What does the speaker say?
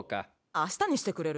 明日にしてくれる？